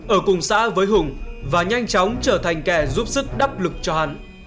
ở cùng xã với hùng và nhanh chóng trở thành kẻ giúp sức đắc lực cho hắn